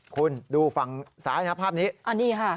คุณดูฝั่งซ้ายนะภาพนี้อันนี้ค่ะ